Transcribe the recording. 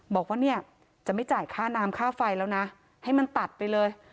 บอกว่าเนี่ยจะไม่จ่ายค่าน้ำค่าไฟแล้วนะให้มันตัดไปเลย